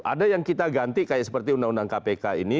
ada yang kita ganti kayak seperti undang undang kpk ini